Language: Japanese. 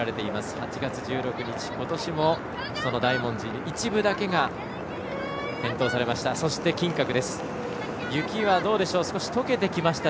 ８月１６日、ことしも大文字一部だけが点灯されました。